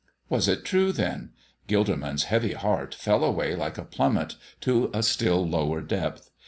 Was it then true? Gilderman's heavy heart fell away like a plummet to a still lower depth.